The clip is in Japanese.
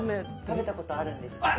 食べたことあるんですけど。